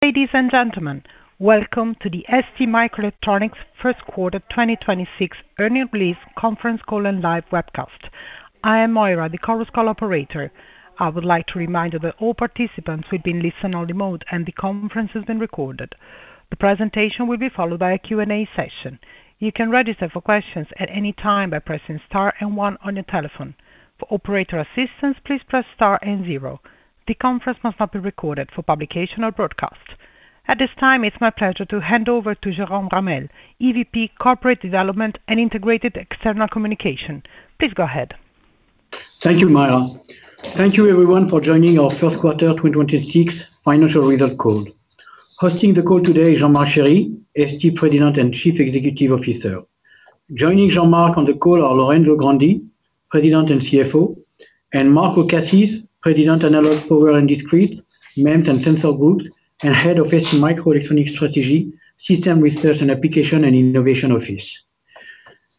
Ladies and gentlemen, welcome to the STMicroelectronics Q1 2026 earnings release conference call and live webcast. I am Myra, the conference call operator. I would like to remind all participants we have been in listen-only mode and the conference is being recorded. The presentation will be followed by a Q&A session. You can register for questions at any time by pressing star and one on your telephone. For operator assistance, please press star and zero. The conference must not be recorded for publication or broadcast. At this time, it's my pleasure to hand over to Jérôme Ramel, EVP Corporate Development and Integrated External Communication. Please go ahead. Thank you, Moira. Thank you, everyone, for joining our Q1 2026 financial results call. Hosting the call today is Jean-Marc Chery, ST President and Chief Executive Officer. Joining Jean-Marc on the call are Lorenzo Grandi, President and CFO, and Marco Cassis, President, Analog, Power & Discrete, MEMS and Sensors Group, and Head of STMicroelectronics Strategy, System Research and Application and Innovation Office.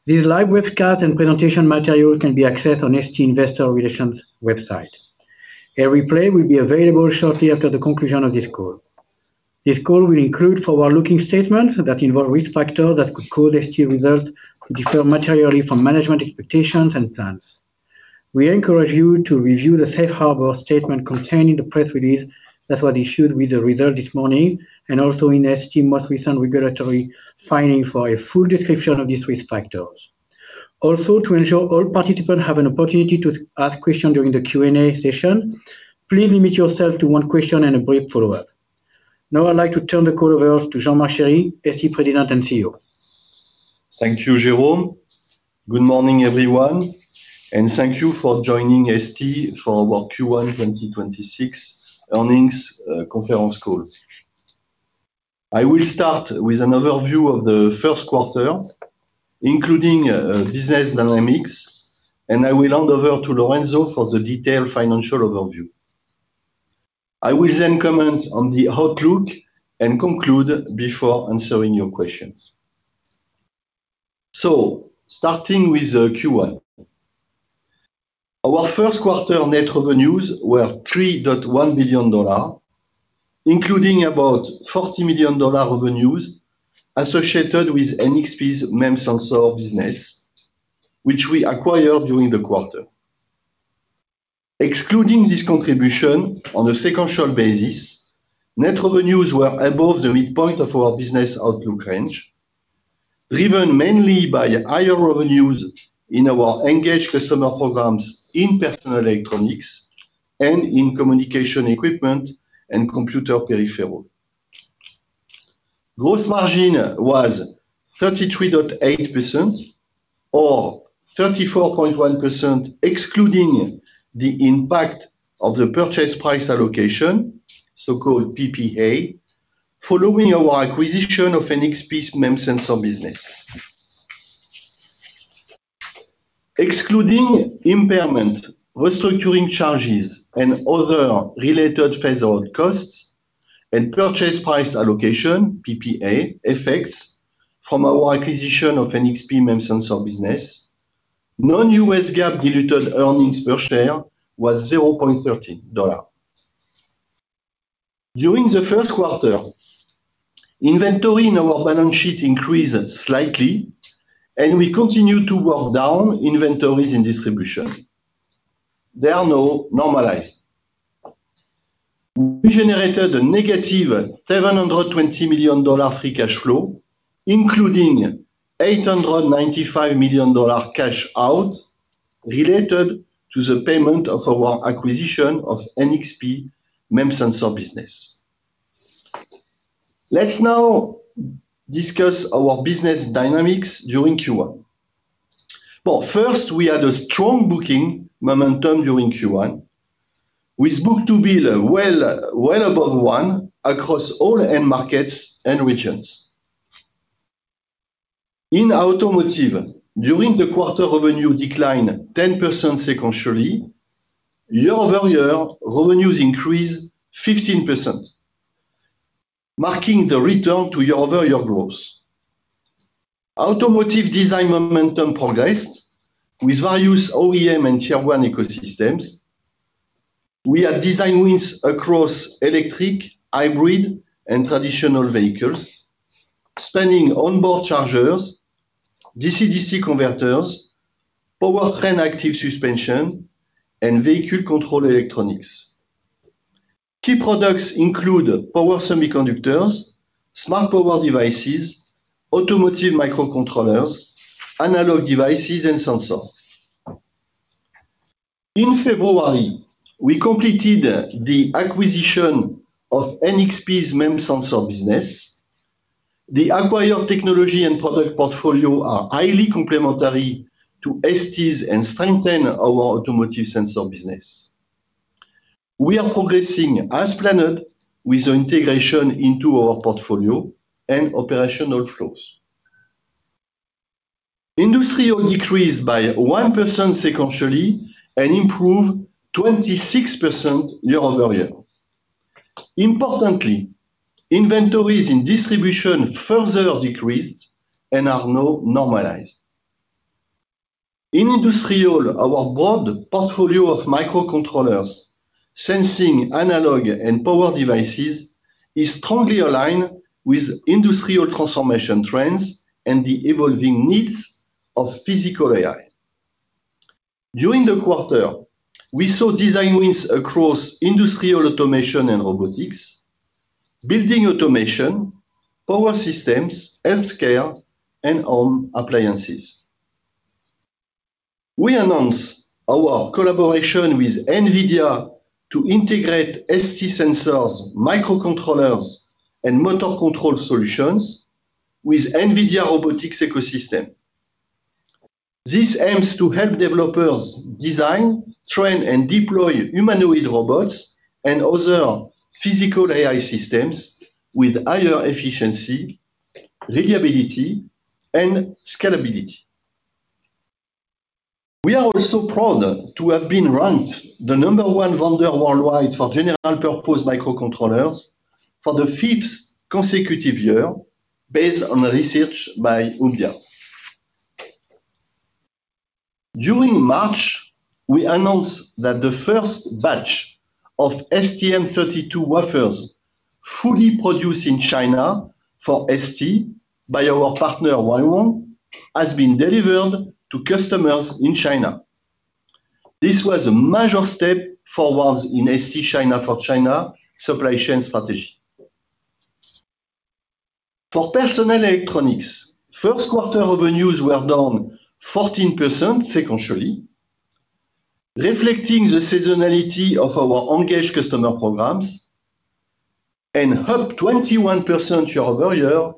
This live webcast and presentation material can be accessed on ST Investor Relations website. A replay will be available shortly after the conclusion of this call. This call will include forward-looking statements that involve risk factors that could cause ST results to differ materially from management expectations and plans. We encourage you to review the safe harbor statement contained in the press release that was issued with the results this morning, and also in ST's most recent regulatory filing for a full description of these risk factors. To ensure all participants have an opportunity to ask questions during the Q&A session, please limit yourself to one question and a brief follow-up. Now I'd like to turn the call over to Jean-Marc Chery, ST President and CEO. Thank you, Jérôme. Good morning, everyone, and thank you for joining ST for our Q1 2026 earnings conference call. I will start with an overview of the Q1, including business dynamics, and I will hand over to Lorenzo for the detailed financial overview. I will then comment on the outlook and conclude before answering your questions. Starting with Q1. Our Q1 net revenues were $3.1 billion, including about $40 million revenues associated with NXP's MEMS sensor business, which we acquired during the quarter. Excluding this contribution on a sequential basis, net revenues were above the midpoint of our business outlook range, driven mainly by higher revenues in our engaged customer programs in personal electronics and in communication equipment and computer peripheral. Gross margin was 33.8%, or 34.1%, excluding the impact of the purchase price allocation, so-called PPA, following our acquisition of NXP's MEMS sensor business. Excluding impairment, restructuring charges, and other related phased costs and purchase price allocation, PPA, effects from our acquisition of NXP MEMS sensor business, non-US GAAP diluted earnings per share was $0.13. During the Q1, inventory in our balance sheet increased slightly, and we continue to work down inventories in distribution. They are now normalized. We generated a -$720 million free cash flow, including $895 million cash out related to the payment of our acquisition of NXP MEMS sensor business. Let's now discuss our business dynamics during Q1. Well, first, we had a strong booking momentum during Q1 with book-to-bill well above one across all end markets and regions. In automotive, during the quarter revenue declined 10% sequentially. Year-over-year, revenues increased 15%, marking the return to year-over-year growth. Automotive design momentum progressed with various OEM and Tier 1 ecosystems. We have design wins across electric, hybrid, and traditional vehicles spanning onboard chargers, DC/DC converters, power train active suspension, and vehicle control electronics. Key products include power semiconductors, smart power devices, automotive microcontrollers, analog devices, and sensors. In February, we completed the acquisition of NXP's MEMS sensor business. The acquired technology and product portfolio are highly complementary to ST's and strengthen our automotive sensor business. We are progressing as planned with the integration into our portfolio and operational flows. Industrial decreased by 1% sequentially and improved 26% year-over-year. Importantly, inventories in distribution further decreased and are now normalized. In industrial, our broad portfolio of microcontrollers sensing analog and power devices is strongly aligned with industrial transformation trends and the evolving needs of physical AI. During the quarter, we saw design wins across industrial automation and robotics, building automation, power systems, healthcare, and home appliances. We announced our collaboration with NVIDIA to integrate ST sensors, microcontrollers, and motor control solutions with NVIDIA robotics ecosystem. This aims to help developers design, train, and deploy humanoid robots and other physical AI systems with higher efficiency, reliability, and scalability. We are also proud to have been ranked the number one vendor worldwide for general purpose microcontrollers for the fifth consecutive year based on research by Omdia. During March, we announced that the first batch of STM32 wafers fully produced in China for ST by our partner, Wayon, has been delivered to customers in China. This was a major step forward in ST China for China supply chain strategy. For personal electronics, Q1 revenues were down 14% sequentially, reflecting the seasonality of our engaged customer programs and up 21% year-over-year,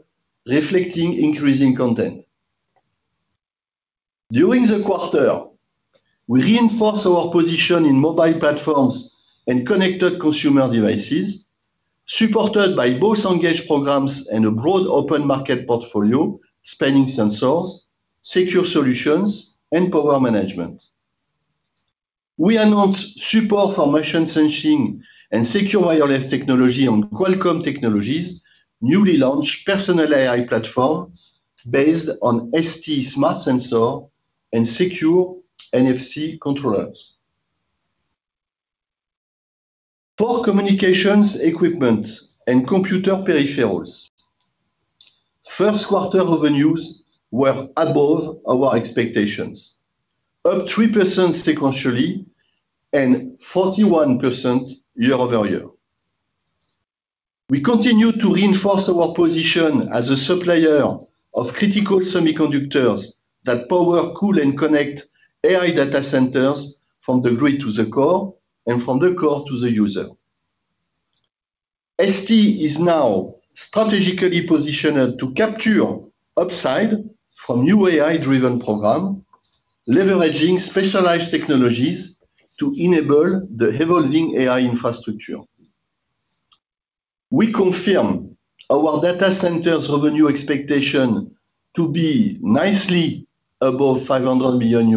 reflecting increasing content. During the quarter, we reinforced our position in mobile platforms and connected consumer devices supported by both engaged programs and a broad open market portfolio spanning sensors, secure solutions, and power management. We announced support for motion sensing and secure wireless technology on Qualcomm Technologies' newly launched personal AI platform based on ST smart sensor and secure NFC controllers. For communications equipment and computer peripherals, Q1 revenues were above our expectations, up 3% sequentially and 41% year-over-year. We continue to reinforce our position as a supplier of critical semiconductors that power, cool, and connect AI data centers from the grid to the core and from the core to the user. ST is now strategically positioned to capture upside from new AI-driven program, leveraging specialized technologies to enable the evolving AI infrastructure. We confirm our data centers revenue expectation to be nicely above $500 million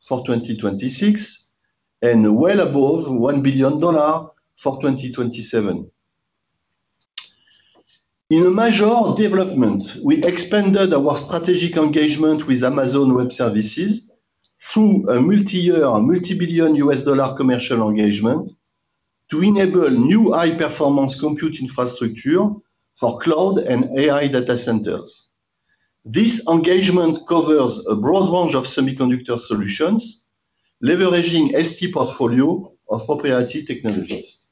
for 2026 and well above $1 billion for 2027. In a major development, we expanded our strategic engagement with Amazon Web Services through a multi-year, multi-billion-dollar commercial engagement to enable new high-performance compute infrastructure for cloud and AI data centers. This engagement covers a broad range of semiconductor solutions, leveraging ST portfolio of proprietary technologies.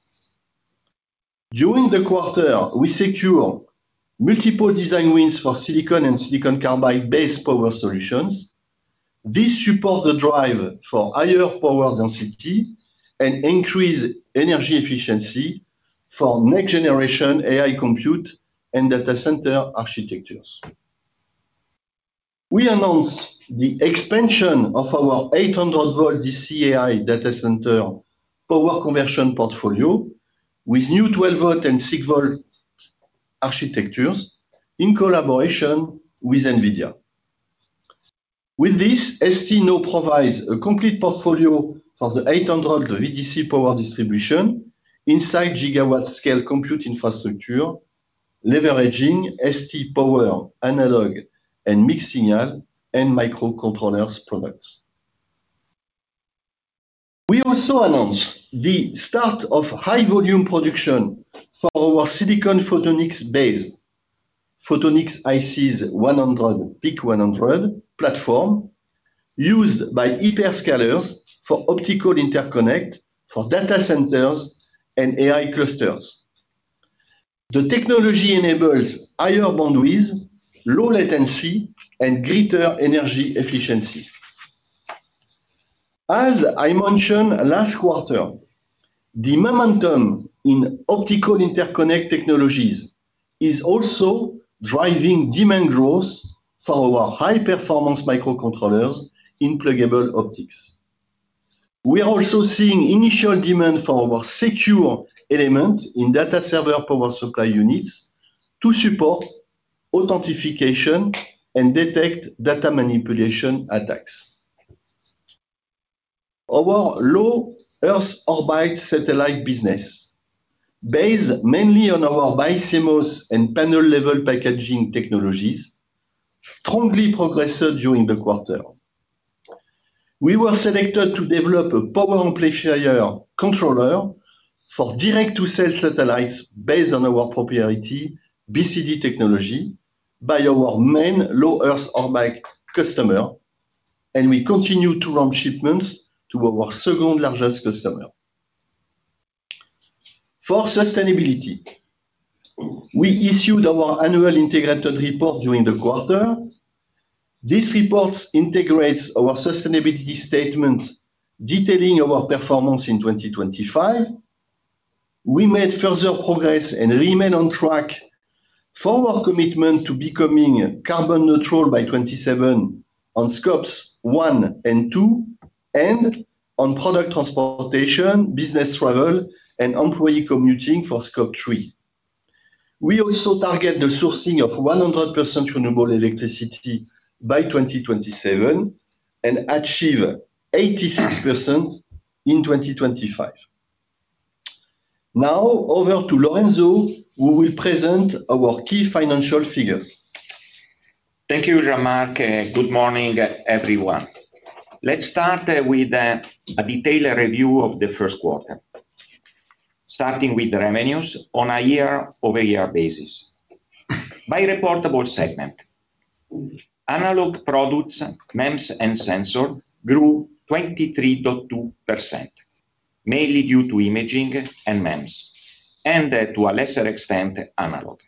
During the quarter, we secure multiple design wins for silicon and silicon carbide-based power solutions. This supports the drive for higher power density and increased energy efficiency for next generation AI compute and data center architectures. We announced the expansion of our 800 VDC AI data center power conversion portfolio with new 12 V and 6 V architectures in collaboration with NVIDIA. With this, ST now provides a complete portfolio for the 800 VDC power distribution inside gigawatt-scale compute infrastructure, leveraging ST power analog and mixed-signal and microcontrollers products. We also announced the start of high volume production for our silicon photonics-based PIC100 platform used by hyperscalers for optical interconnect for data centers and AI clusters. The technology enables higher bandwidth, low latency, and greater energy efficiency. As I mentioned last quarter, the momentum in optical interconnect technologies is also driving demand growth for our high-performance microcontrollers in pluggable optics. We are also seeing initial demand for our Secure Element in data server power supply units to support authentication and detect data manipulation attacks. Our Low Earth Orbit satellite business, based mainly on our BiCMOS and panel-level packaging technologies, strongly progressed during the quarter. We were selected to develop a power amplifier controller for direct-to-cell satellites based on our proprietary BCD technology by our main Low Earth Orbit customer, and we continue to ramp shipments to our second-largest customer. For sustainability, we issued our annual integrated report during the quarter. These reports integrates our sustainability statement detailing our performance in 2025. We made further progress and remain on track for our commitment to becoming carbon neutral by 2027 on scopes one and two, and on product transportation, business travel and employee commuting for scope three. We also target the sourcing of 100% renewable electricity by 2027 and achieve 86% in 2025. Now over to Lorenzo, who will present our key financial figures. Thank you, Jean-Marc. Good morning, everyone. Let's start with a detailed review of the Q1. Starting with the revenues on a year-over-year basis. By reportable segment, Analog products, MEMS and Sensors grew 23.2%, mainly due to imaging and MEMS, and to a lesser extent, analog.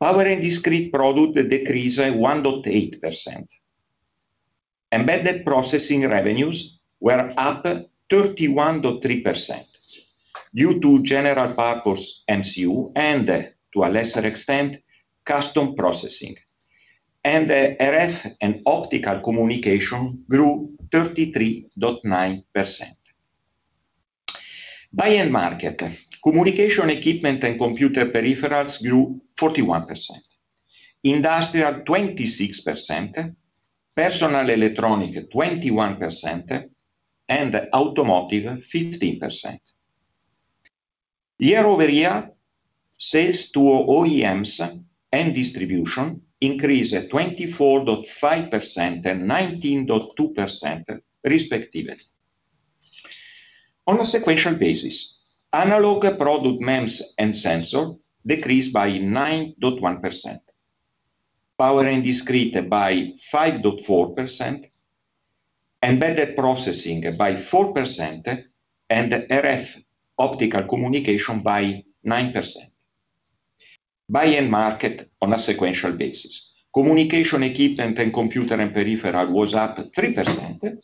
Power and Discrete product decreased 1.8%. Embedded Processing revenues were up 31.3% due to general purpose MCU and, to a lesser extent, custom processing. RF & Optical Communications grew 33.9%. By end market, communication equipment and computer peripherals grew 41%, industrial 26%, personal electronic 21%, and automotive 15%. Year-over-year, sales to OEMs and distribution increased 24.5% and 19.2%, respectively. On a sequential basis, Analog product MEMS and Sensors decreased by 9.1%. Power and Discrete by 5.4%, Embedded Processing by 4%, and RF & Optical Communications by 9%. By end market, on a sequential basis, communication equipment and computer and peripheral was up 3%,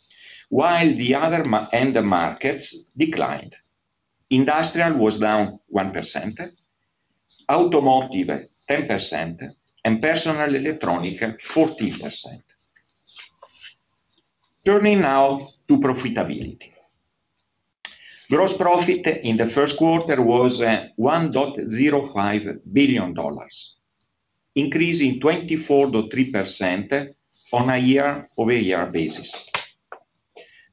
while the other end markets declined. Industrial was down 1%, Automotive 10%, and Personal Electronics 14%. Turning now to profitability. Gross profit in the Q1 was $1.05 billion, increasing 24.3% on a year-over-year basis.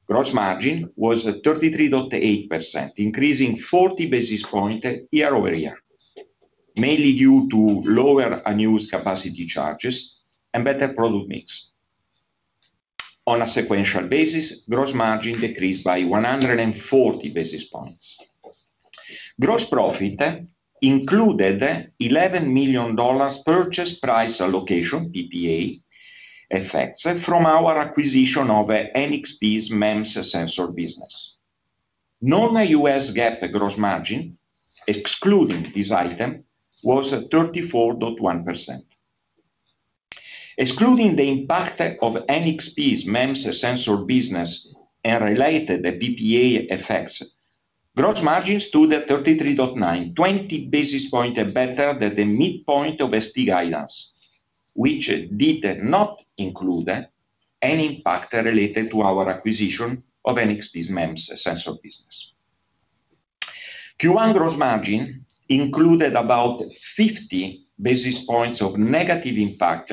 Gross margin was 33.8%, increasing 40 basis points year-over-year, mainly due to lower unused capacity charges and better product mix. On a sequential basis, gross margin decreased by 140 basis points. Gross profit included $11 million purchase price allocation, PPA, effects from our acquisition of NXP's MEMS sensor business. Non-US GAAP gross margin, excluding this item, was 34.1%. Excluding the impact of NXP's MEMS sensor business and related PPA effects, gross margin stood at 33.9%, 20 basis points better than the midpoint of ST guidance, which did not include any impact related to our acquisition of NXP's MEMS sensor business. Q1 gross margin included about 50 basis points of negative impact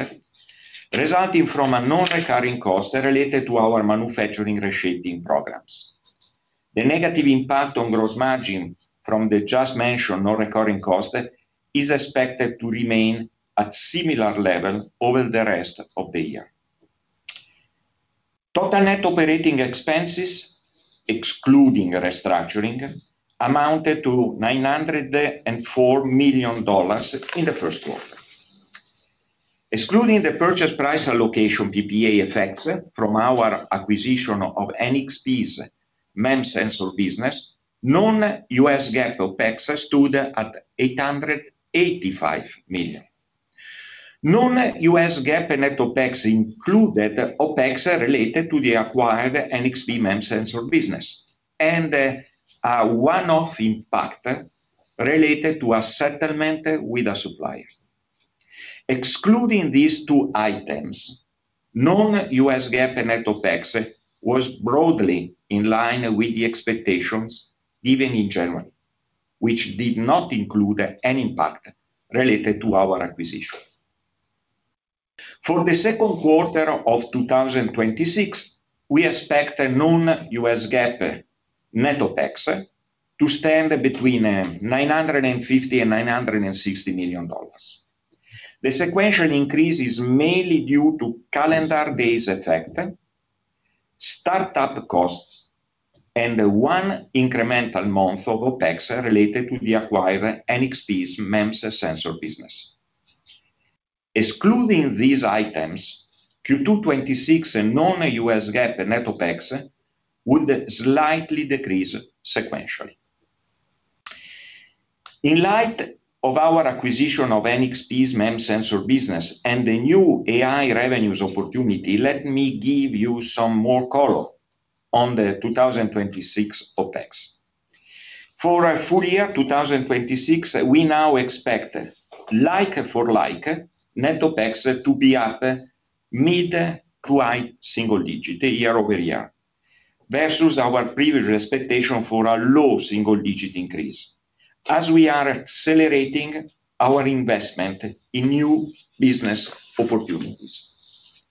resulting from a non-recurring cost related to our manufacturing reshaping programs. The negative impact on gross margin from the just mentioned non-recurring cost is expected to remain at similar level over the rest of the year. Total net operating expenses, excluding restructuring, amounted to $904 million in the Q1. Excluding the purchase price allocation PPA effects from our acquisition of NXP's MEMS sensor business, non-US GAAP OpEx stood at $885 million. Non-US GAAP net OpEx included OpEx related to the acquired NXP MEMS sensor business, and a one-off impact related to a settlement with a supplier. Excluding these two items, non-US GAAP net OpEx was broadly in line with the expectations given in January, which did not include any impact related to our acquisition. For the Q2 of 2026, we expect a non-US GAAP net OpEx to stand between $950 million and $960 million. The sequential increase is mainly due to calendar days effect, startup costs, and the one incremental month of OpEx related to the acquired NXP's MEMS sensor business. Excluding these items, Q2 2026 non-US GAAP net OpEx would slightly decrease sequentially. In light of our acquisition of NXP's MEMS sensor business and the new AI revenues opportunity, let me give you some more color on the 2026 OpEx. For our full year 2026, we now expect like-for-like net OpEx to be up mid to high single digit year-over-year versus our previous expectation for a low single-digit increase. As we are accelerating our investment in new business opportunities,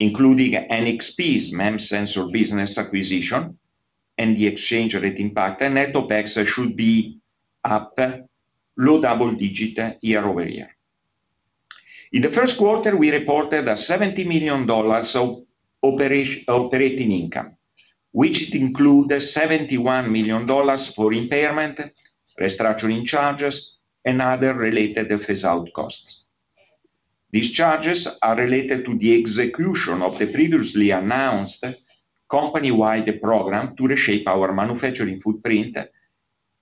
including NXP's MEMS sensor business acquisition and the exchange rate impact, net OpEx should be up low double digit year-over-year. In the Q1, we reported a $70 million operating income, which include $71 million for impairment, restructuring charges, and other related phase-out costs. These charges are related to the execution of the previously announced company-wide program to reshape our manufacturing footprint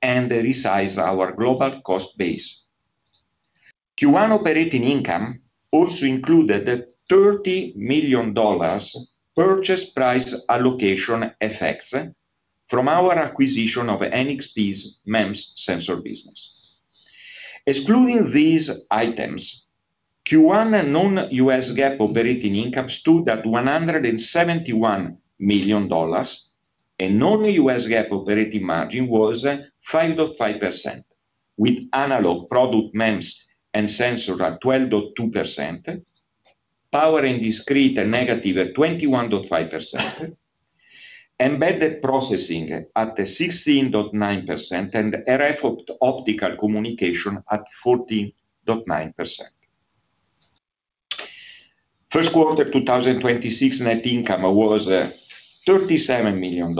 and resize our global cost base. Q1 operating income also included a $30 million purchase price allocation effects from our acquisition of NXP's MEMS sensor business. Excluding these items, Q1 non-US GAAP operating income stood at $171 million, and non-US GAAP operating margin was 5.5%, with Analog products, MEMS and Sensors at 12.2%, Power and Discrete negative at 21.5%, Embedded Processing at 16.9%, and RF & Optical Communications at 14.9%. Q1 2026 net income was $37 million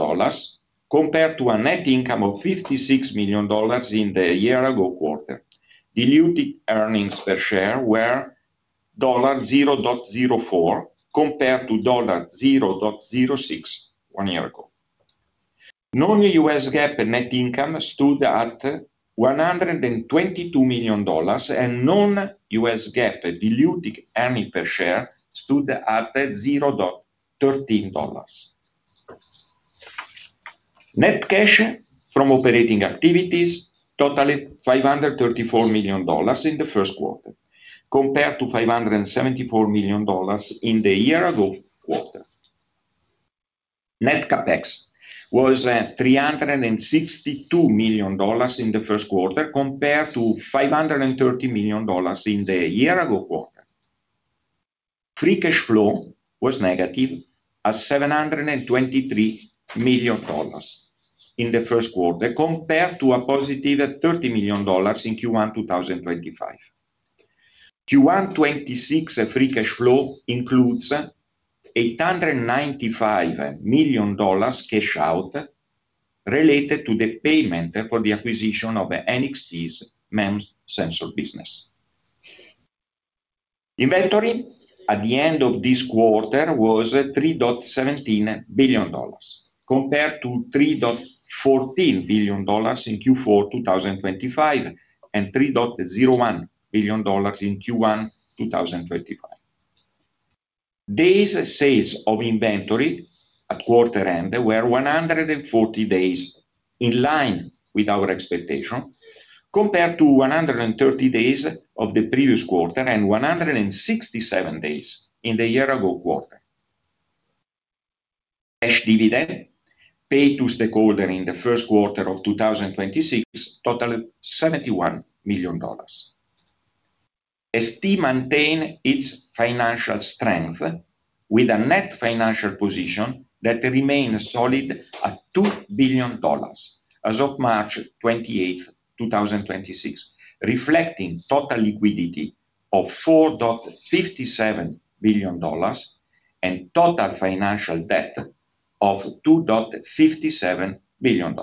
compared to a net income of $56 million in the year-ago quarter. Diluted earnings per share were $0.04 compared to $0.06 one year ago. Non-US GAAP net income stood at $122 million, and non-US GAAP diluted earnings per share stood at $0.13. Net cash from operating activities totaled $534 million in the Q1, compared to $574 million in the year-ago quarter. Net CapEx was at $362 million in the Q1, compared to $530 million in the year-ago quarter. Free cash flow was -$723 million in the Q1, compared to $30 million in Q1 2025. Q1 2026 free cash flow includes $895 million cash out related to the payment for the acquisition of NXP's MEMS sensor business. Inventory at the end of this quarter was $3.17 billion, compared to $3.14 billion in Q4 2025 and $3.01 billion in Q1 2025. Days sales of inventory at quarter end were 140 days, in line with our expectation, compared to 130 days of the previous quarter and 167 days in the year-ago quarter. Cash dividend paid to stakeholder in the Q1 of 2026 totaled $71 million. ST maintain its financial strength with a net financial position that remain solid at $2 billion as of March 28th, 2026, reflecting total liquidity of $4.57 billion and total financial debt of $2.57 billion.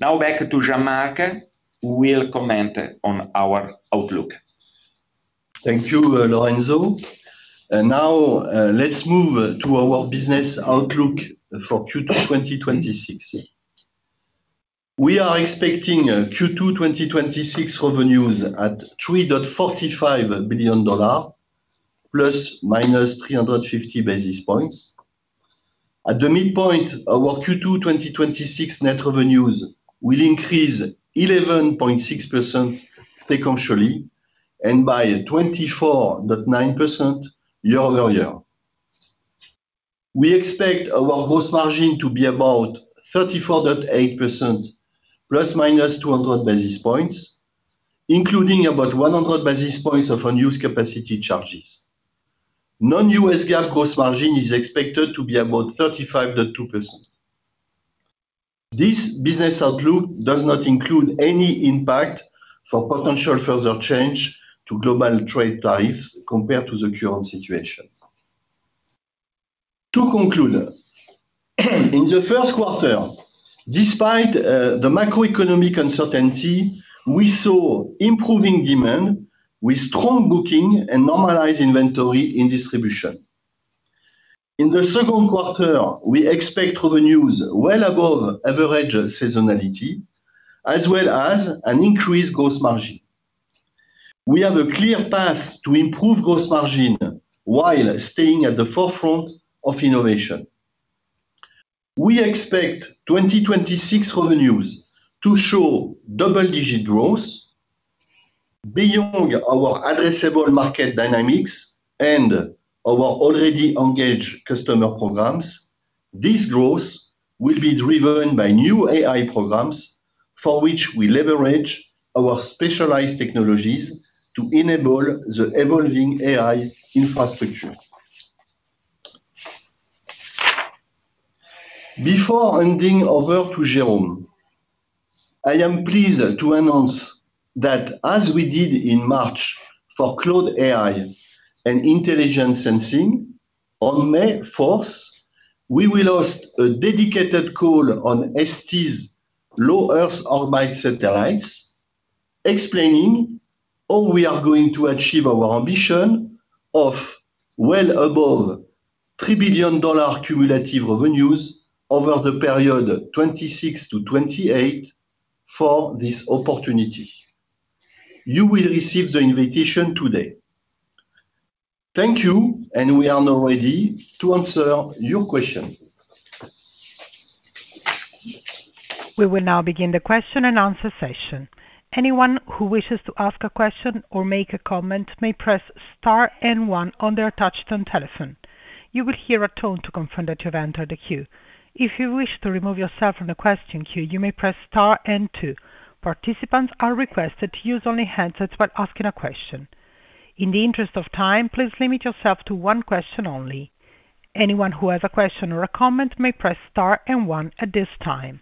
Now back to Jean-Marc, who will comment on our outlook. Thank you, Lorenzo. Now let's move to our business outlook for Q2 2026. We are expecting Q2 2026 revenues at $3.45 billion, plus or minus 350 basis points. At the midpoint of our Q2 2026 net revenues will increase 11.6% sequentially and by 24.9% year-over-year. We expect our gross margin to be about 34.8%, plus or minus 200 basis points, including about 100 basis points of unused capacity charges. Non-US GAAP gross margin is expected to be about 35.2%. This business outlook does not include any impact for potential further change to global trade tariffs compared to the current situation. To conclude, in the Q1, despite the macroeconomic uncertainty, we saw improving demand with strong booking and normalized inventory in distribution. In the Q2, we expect revenues well above average seasonality, as well as an increased gross margin. We have a clear path to improve gross margin while staying at the forefront of innovation. We expect 2026 revenues to show double-digit growth. Beyond our addressable market dynamics and our already engaged customer programs, this growth will be driven by new AI programs for which we leverage our specialized technologies to enable the evolving AI infrastructure. Before handing over to Jérôme, I am pleased to announce that as we did in March for Cloud AI and intelligent sensing, on May 4th, we will host a dedicated call on ST's low-Earth orbit satellites, explaining how we are going to achieve our ambition of well above $3 billion cumulative revenues over the period 2026 to 2028 for this opportunity. You will receive the invitation today. Thank you, and we are now ready to answer your questions. We will now begin the question and answer session. Anyone who wishes to ask a question or make a comment may press star and one on their touch-tone telephone. You will hear a tone to confirm that you have entered the queue. If you wish to remove yourself from the question queue, you may press star and two. Participants are requested to use only handsets while asking a question. In the interest of time, please limit yourself to one question only. Anyone who has a question or a comment may press star and one at this time.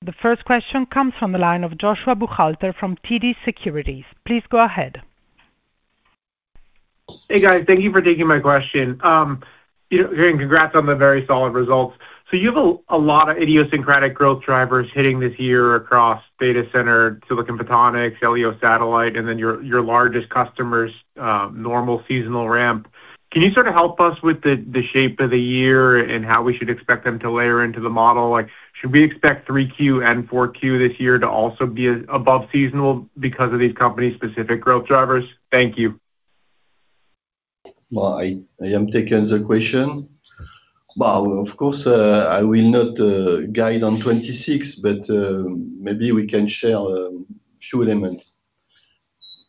The first question comes from the line of Joshua Buchalter from TD Securities. Please go ahead. Hey, guys. Thank you for taking my question. Congrats on the very solid results. You have a lot of idiosyncratic growth drivers hitting this year across data center, silicon photonics, LEO satellite, and then your largest customers' normal seasonal ramp. Can you sort of help us with the shape of the year and how we should expect them to layer into the model? Should we expect three Q and four Q this year to also be above seasonal because of these company-specific growth drivers? Thank you. Well, I am taking the question. Well, of course, I will not guide on 2026, but maybe we can share a few elements.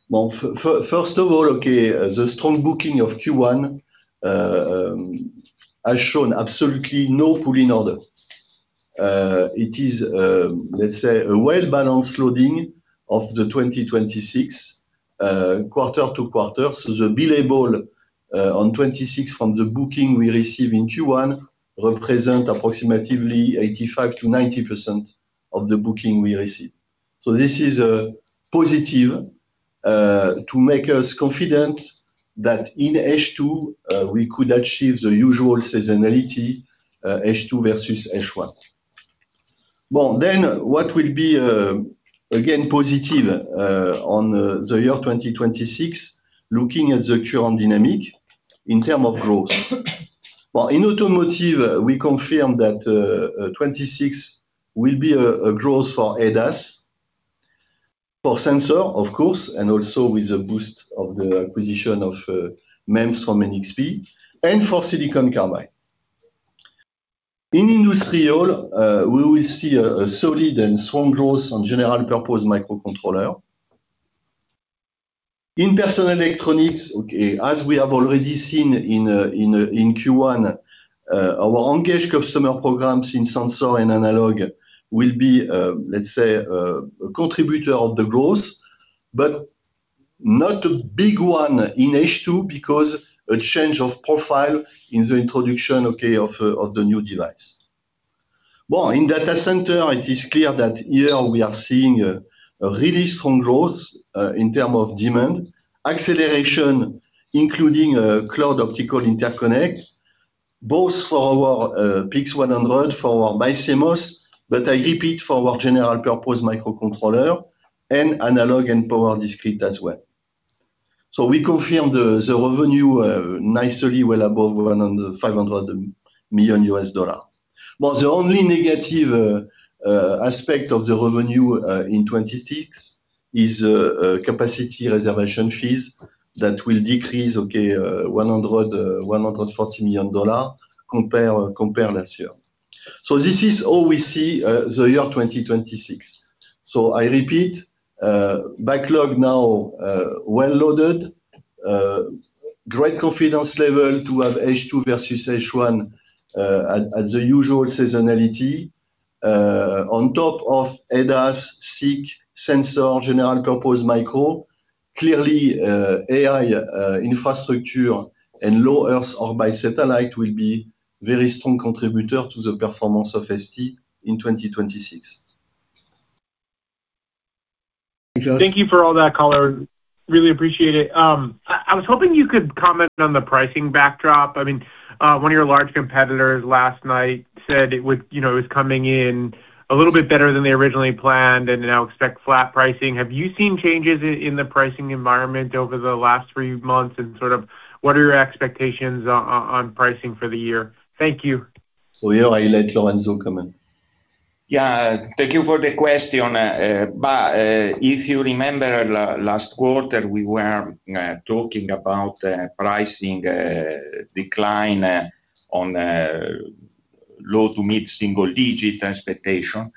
Well, first of all, okay, the strong booking of Q1 has shown absolutely no pull in order. It is, let's say, a well-balanced loading of the 2026 quarter to quarter. The billable on 2026 from the booking we receive in Q1 represent approximately 85%-90% of the booking we receive. This is positive to make us confident that in H2, we could achieve the usual seasonality, H2 versus H1. Well, then what will be, again, positive on the year 2026, looking at the current dynamic in terms of growth. Well, in automotive, we confirm that 2026 will be a growth for ADAS, for sensor, of course, and also with the boost of the acquisition of MEMS from NXP and for silicon carbide. In industrial, we will see a solid and strong growth on general purpose microcontroller. In personal electronics, okay, as we have already seen in Q1, our engaged customer programs in sensor and analog will be, let's say, a contributor of the growth, but not a big one in H2 because a change of profile in the introduction, okay, of the new device. Well, in data center, it is clear that here we are seeing a really strong growth in terms of demand acceleration, including cloud optical interconnect, both for our PIC100, for our BiCMOS, but I repeat, for our general purpose microcontroller and analog and power discrete as well. We confirm the revenue nicely well above $500 million. Well, the only negative aspect of the revenue in 2026 is capacity reservation fees that will decrease, okay, $140 million compared to last year. This is how we see the year 2026. I repeat, backlog now well loaded. Great confidence level to have H2 versus H1 at the usual seasonality. On top of ADAS, SiC, sensor, general purpose micro, clearly, AI infrastructure and low Earth orbit satellite will be very strong contributor to the performance of ST in 2026. Thank you for all that color. I really appreciate it. I was hoping you could comment on the pricing backdrop. One of your large competitors last night said it was coming in a little bit better than they originally planned, and now expect flat pricing. Have you seen changes in the pricing environment over the last three months, and what are your expectations on pricing for the year? Thank you. Yeah, I let Lorenzo come in. Yeah. Thank you for the question. If you remember last quarter, we were talking about pricing decline on low- to mid-single-digit expectation.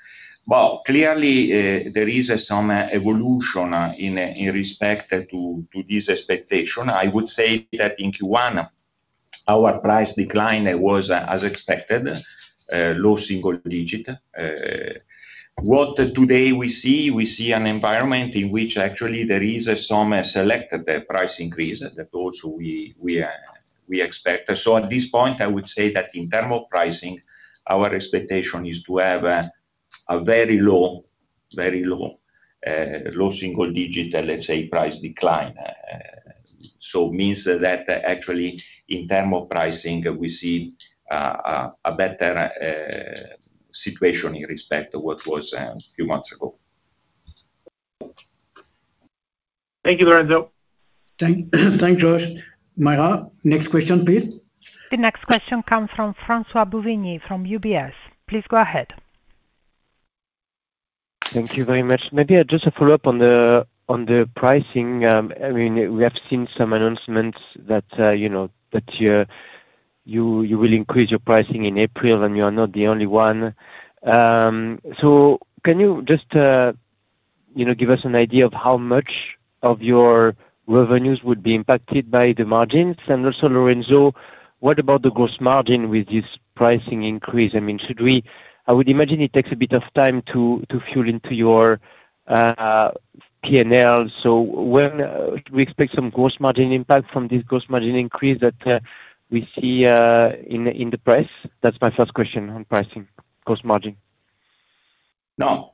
Well, clearly, there is some evolution in respect to this expectation. I would say that in Q1, our price decline was as expected, low single-digit. What today we see, we see an environment in which actually there is some selected price increase that also we expect. At this point, I would say that in term of pricing, our expectation is to have a very low single-digit, let's say, price decline. Means that actually in term of pricing, we see a better situation in respect to what was a few months ago. Thank you, Lorenzo. Thanks, Josh. Myra, next question, please. The next question comes from François-Xavier Bouvignies from UBS. Please go ahead. Thank you very much. Maybe just a follow-up on the pricing. We have seen some announcements that you will increase your pricing in April, and you are not the only one. Can you just give us an idea of how much of your revenues would be impacted by the margins? And also, Lorenzo, what about the gross margin with this pricing increase? I would imagine it takes a bit of time to flow into your P&L. When we expect some gross margin impact from this pricing increase that we see in the price? That's my first question on pricing, gross margin. Now,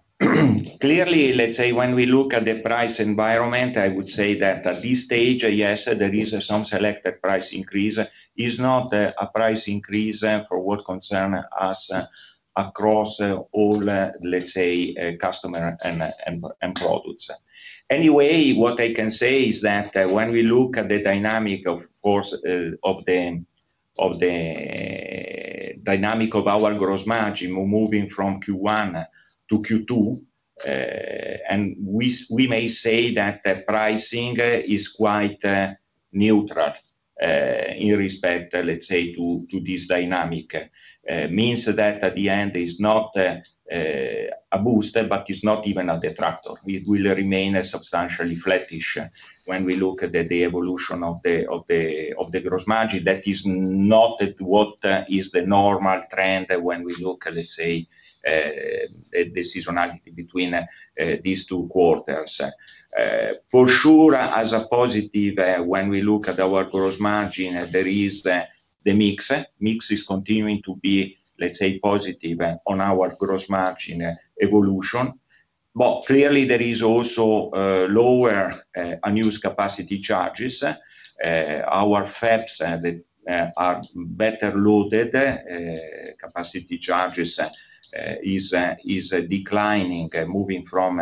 clearly, let's say when we look at the price environment, I would say that at this stage, yes, there is some selected price increase. It is not a price increase for what concerns us across all, let's say, customers and products. Anyway, what I can say is that when we look at the dynamic of our gross margin, moving from Q1 to Q2, and we may say that the pricing is quite neutral, in respect to this dynamic. It means that at the end it is not a booster, but it's not even a detractor. It will remain substantially flattish when we look at the evolution of the gross margin. That is not what is the normal trend when we look at, let's say, the seasonality between these two quarters. For sure, as a positive, when we look at our gross margin, there is the mix. Mix is continuing to be, let's say, positive on our gross margin evolution. Clearly, there is also lower unused capacity charges. Our fabs are better loaded. Capacity charges is declining, moving from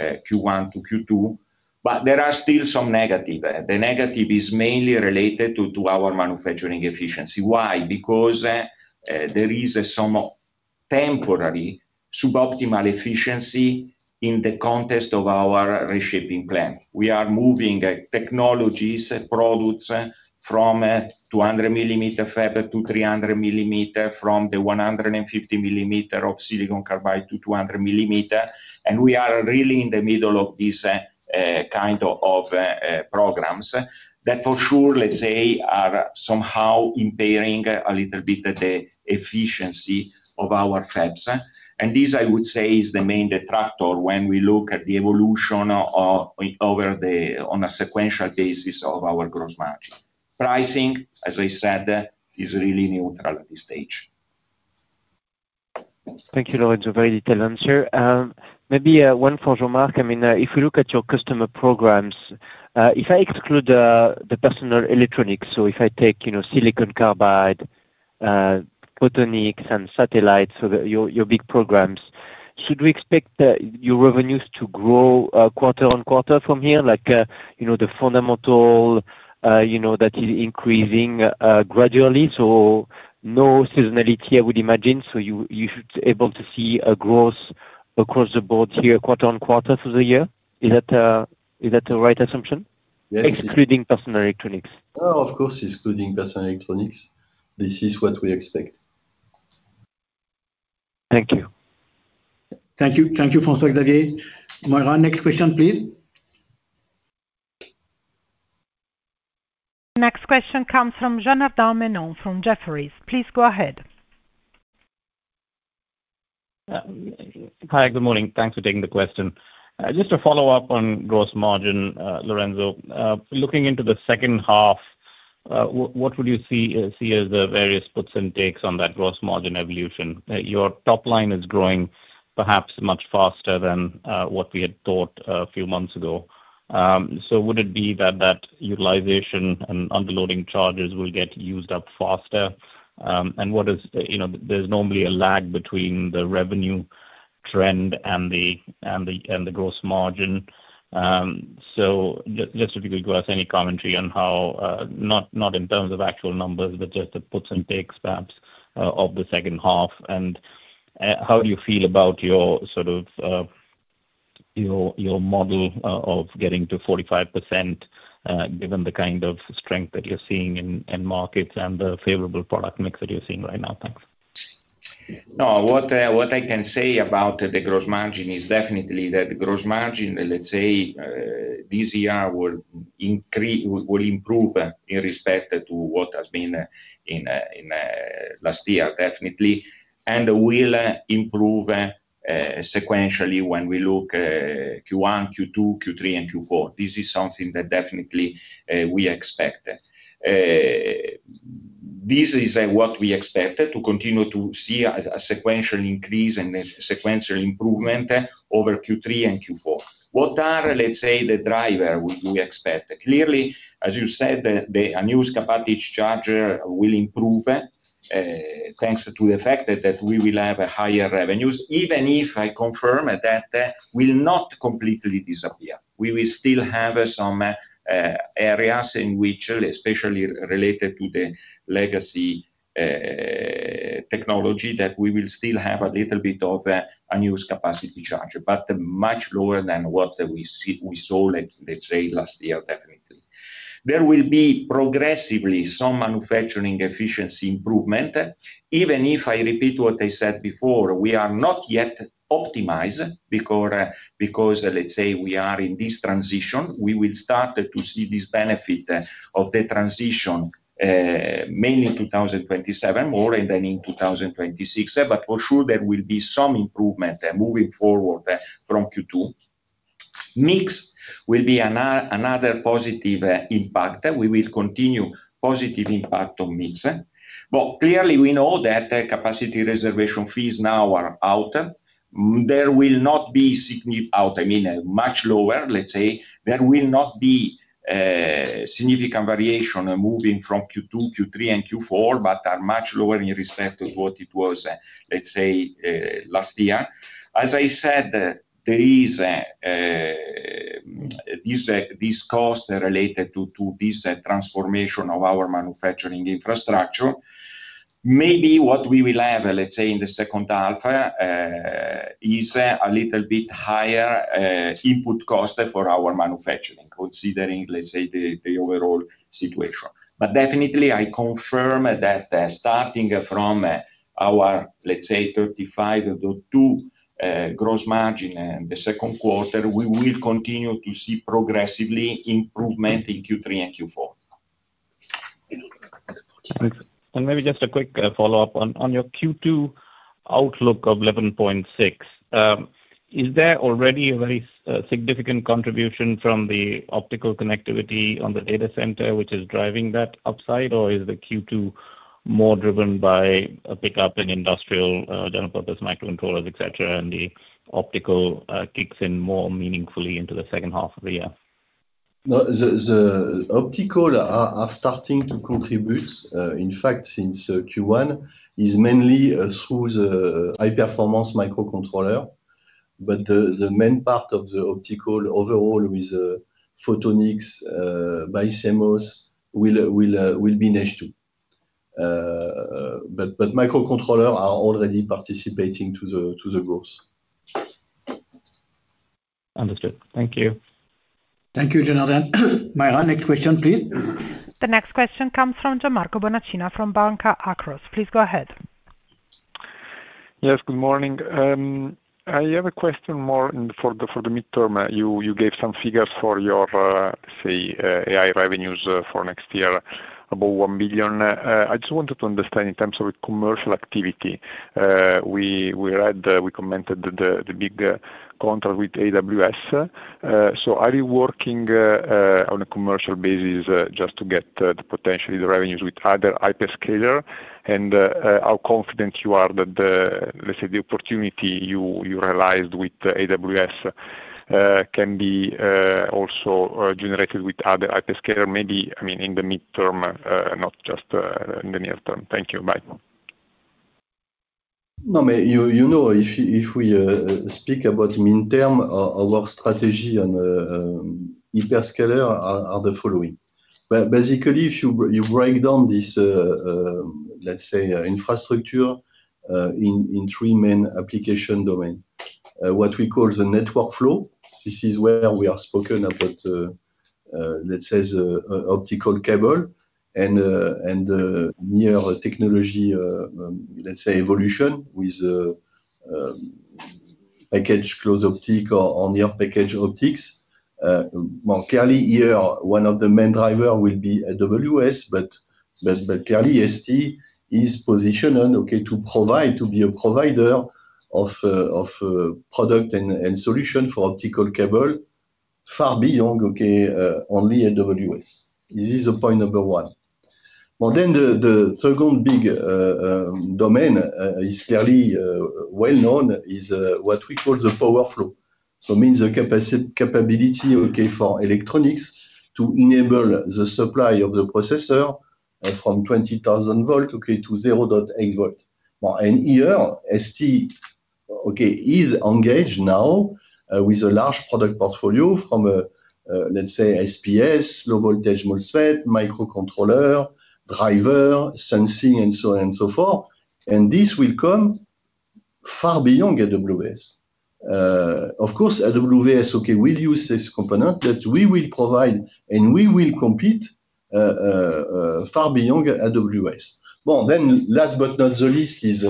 Q1 to Q2, but there are still some negative. The negative is mainly related to our manufacturing efficiency. Why? Because there is some temporary suboptimal efficiency in the context of our reshaping plan. We are moving technologies and products from 200 millimeter fab to 300 millimeter from the 150 millimeter of silicon carbide to 200 millimeter, and we are really in the middle of this kind of programs that for sure, let's say, are somehow impairing a little bit the efficiency of our fabs. This, I would say, is the main detractor when we look at the evolution on a sequential basis of our gross margin. Pricing, as I said, is really neutral at this stage. Thank you, Lorenzo. Very detailed answer. Maybe one for Jean-Marc. If we look at your customer programs, if I exclude the personal electronics, so if I take silicon carbide, photonics and satellites, so your big programs, should we expect your revenues to grow quarter-on-quarter from here? Like, the fundamental that is increasing gradually, so no seasonality I would imagine. You should able to see a growth across the board here quarter-on-quarter through the year. Is that the right assumption? Excluding personal electronics. Of course, excluding personal electronics. This is what we expect. Thank you. Thank you. Thank you, François-Xavier. Myra, next question, please. The next question comes from Janardan Menon from Jefferies. Please go ahead. Hi. Good morning. Thanks for taking the question. Just to follow up on gross margin, Lorenzo, looking into the H2, what would you see as the various puts and takes on that gross margin evolution? Your top line is growing perhaps much faster than what we had thought a few months ago. So would it be that utilization and underloading charges will get used up faster? There's normally a lag between the revenue trend and the gross margin. So just if you could give us any commentary on how, not in terms of actual numbers, but just the puts and takes perhaps, of the H2. How do you feel about your model of getting to 45%, given the kind of strength that you're seeing in markets and the favorable product mix that you're seeing right now? Thanks. No, what I can say about the gross margin is definitely that gross margin, let's say, this year will improve in respect to what has been in last year, definitely. Will improve sequentially when we look Q1, Q2, Q3, and Q4. This is something that definitely we expect. This is what we expected, to continue to see a sequential increase and a sequential improvement over Q3 and Q4. What are, let's say, the drivers we expect? Clearly, as you said, the unused capacity charge will improve, thanks to the fact that we will have higher revenues, even if I confirm that that will not completely disappear. We will still have some areas in which, especially related to the legacy technology, that we will still have a little bit of a unused capacity charge. Much lower than what we saw, let's say, last year, definitely. There will be progressively some manufacturing efficiency improvement. Even if I repeat what I said before, we are not yet optimized because, let's say, we are in this transition. We will start to see this benefit of the transition mainly in 2027 more than in 2026. For sure, there will be some improvement moving forward from Q2. Mix will be another positive impact. We will continue positive impact on mix. Clearly, we know that capacity reservation fees now are out, I mean much lower, let's say. There will not be significant variation moving from Q2, Q3, and Q4, but are much lower in respect to what it was, let's say, last year. As I said, these costs are related to this transformation of our manufacturing infrastructure. Maybe what we will have, let's say, in the H2, is a little bit higher input cost for our manufacturing, considering, let's say, the overall situation. Definitely, I confirm that starting from our, let's say, 35.2% gross margin in the Q2, we will continue to see progressively improvement in Q3 and Q4. Maybe just a quick follow-up. On your Q2 outlook of 11.6, is there already a very significant contribution from the optical connectivity on the data center which is driving that upside? Or is the Q2 more driven by a pickup in industrial general purpose microcontrollers, et cetera, and the optical kicks in more meaningfully into the H2 of the year? No. The optical are starting to contribute. In fact, since Q1, it is mainly through the high-performance microcontroller. The main part of the optical overall with photonics, BiCMOS, will be next, too. Microcontroller are already participating to the growth. Understood. Thank you. Thank you, Janardan. Myra, next question, please. The next question comes from Gianmarco Bonacina from Banca Akros. Please go ahead. Yes, good morning. I have a question more for the midterm. You gave some figures for your, say, AI revenues for next year, above $1 billion. I just wanted to understand in terms of commercial activity. We commented the big contract with AWS. Are you working on a commercial basis just to get potentially the revenues with other hyperscaler? And how confident you are that the, let's say, the opportunity you realized with AWS can be also generated with other hyperscaler, maybe, I mean, in the midterm, not just in the near term. Thank you. Bye. No, you know, if we speak about midterm, our strategy on hyperscaler are the following. Basically, if you break down this, let's say, infrastructure in three main application domain. What we call the network flow. This is where we have spoken about, let's say, the optical cable and the near technology, let's say, evolution with co-packaged optics and pluggable optics. More clearly here, one of the main driver will be AWS, but clearly ST is positioned to be a provider of product and solution for optical cable far beyond only AWS. This is point number one. Well, then the second big domain is clearly well-known, is what we call the power flow. Means the capacity capability for electronics to enable the supply of the processor from 20,000 volt to 0.8 volt. Here, ST is engaged now with a large product portfolio from, let's say, SPS, low voltage MOSFET, microcontroller, driver, sensing, and so on and so forth. This will come far beyond AWS. Of course, AWS will use this component that we will provide, and we will compete far beyond AWS. Well, then last but not the least is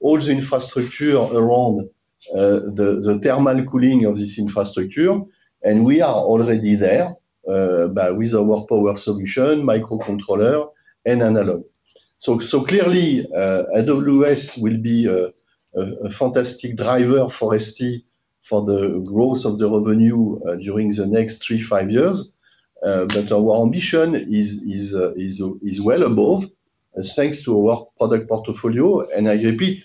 all the infrastructure around the thermal cooling of this infrastructure. We are already there with our power solution, microcontroller, and analog. Clearly, AWS will be a fantastic driver for ST for the growth of the revenue during the next 3-5 years. Our ambition is well above, thanks to our product portfolio. I repeat,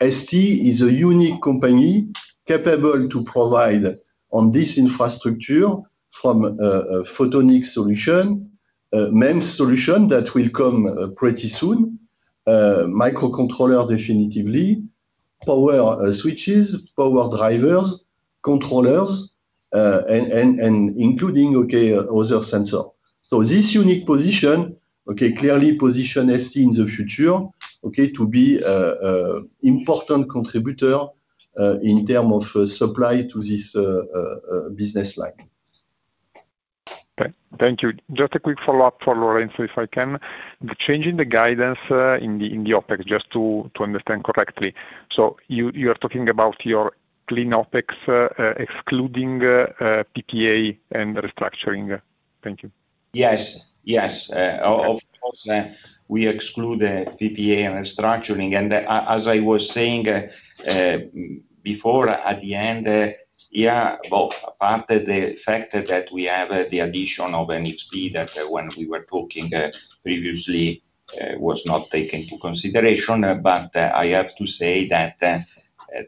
ST is a unique company capable to provide on this infrastructure from a photonics solution, MEMS solution that will come pretty soon, microcontroller definitively, power switches, power drivers, controllers, and including other sensor. This unique position clearly positions ST in the future to be important contributor in terms of supply to this business line. Okay. Thank you. Just a quick follow-up for Lorenzo, if I can. The change in the guidance in the OpEx, just to understand correctly. You are talking about your clean OpEx, excluding PPA and restructuring. Thank you. Yes. Of course, we exclude the PPA and restructuring. As I was saying before at the end, yeah, apart from the fact that we have the addition of NXP that when we were talking previously was not taken into consideration. I have to say that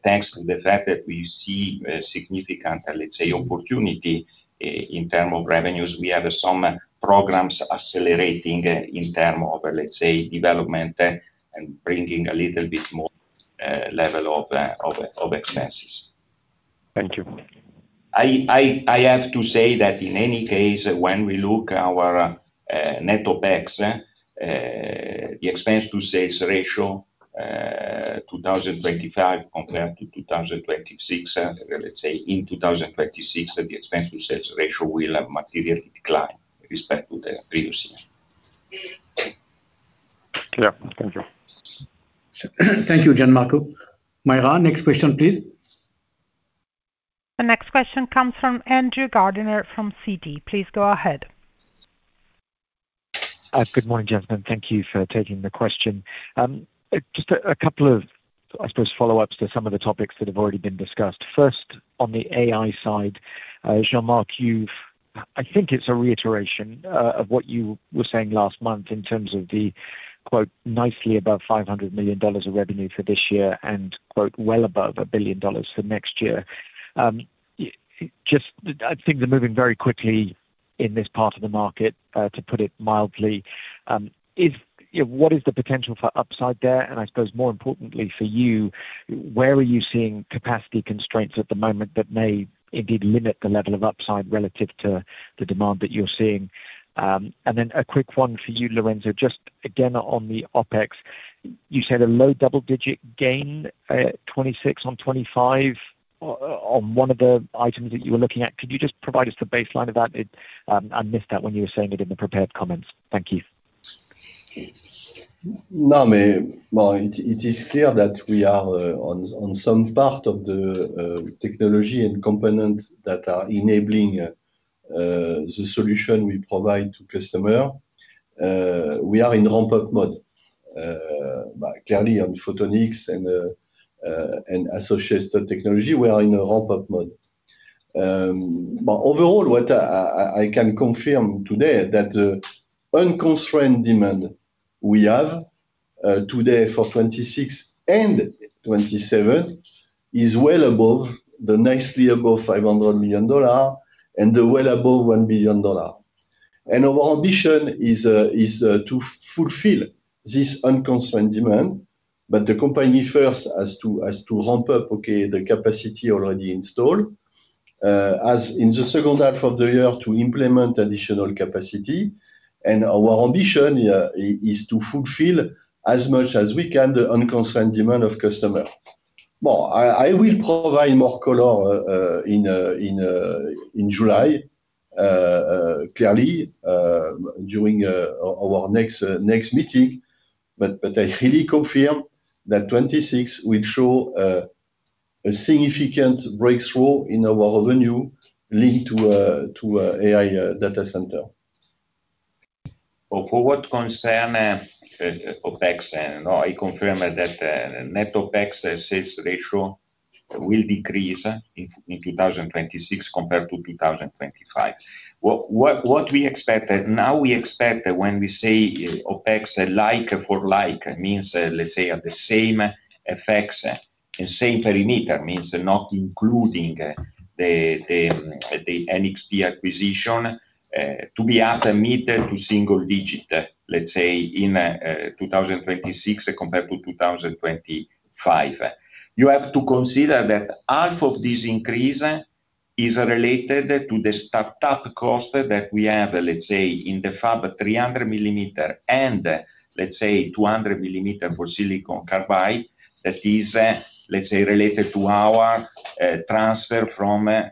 thanks to the fact that we see a significant, let's say, opportunity in terms of revenues, we have some programs accelerating in terms of, let's say, development and bringing a little bit more level of expenses. Thank you. I have to say that in any case, when we look at our net OpEx, the expense-to-sales ratio 2025 compared to 2026, let's say in 2026, the expense-to-sales ratio will have materially declined with respect to the previous year. Clear. Thank you. Thank you, Gianmarco. Myra, next question, please. The next question comes from Andrew Gardiner from Citi. Please go ahead. Good morning, gentlemen. Thank you for taking the question. Just a couple of, I suppose, follow-ups to some of the topics that have already been discussed. First, on the AI side, Jean-Marc, I think it's a reiteration of what you were saying last month in terms of the, quote, "Nicely above $500 million of revenue for this year," and quote, "Well above $1 billion for next year." I think they're moving very quickly in this part of the market, to put it mildly. What is the potential for upside there? And I suppose more importantly for you, where are you seeing capacity constraints at the moment that may indeed limit the level of upside relative to the demand that you're seeing? And then a quick one for you, Lorenzo, just again on the OpEx. You said a low double-digit gain, 2026 on 2025 on one of the items that you were looking at. Could you just provide us the baseline of that? I missed that when you were saying it in the prepared comments. Thank you. Well, it is clear that we are on some part of the technology and component that are enabling the solution we provide to customer. We are in ramp-up mode. Clearly on photonics and associated technology, we are in a ramp-up mode. Overall, what I can confirm today that unconstrained demand we have today for 2026 and 2027 is well above and nicely above $500 million and well above $1 billion. Our ambition is to fulfill this unconstrained demand, but the company first has to ramp up the capacity already installed. As in the H2 of the year to implement additional capacity, and our ambition here is to fulfill as much as we can the unconstrained demand of customer. I will provide more color in July, clearly, during our next meeting, but I really confirm that 2026 will show a significant breakthrough in our revenue linked to AI data center. For what concerns OpEx, I confirm that net OpEx sales ratio will decrease in 2026 compared to 2025. What we expect that when we say OpEx like for like, means let's say at the same effects and same parameter, means not including the NXP acquisition, to be at a mid- to single-digit, let's say in 2026 compared to 2025. You have to consider that half of this increase is related to the startup cost that we have, let's say in the 300 mm fab and 200 mm for silicon carbide that is, let's say, related to our transfer from the